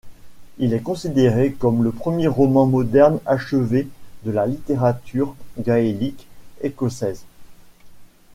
Il est considéré comme le premier roman moderne achevé de la littérature gaélique écossaise.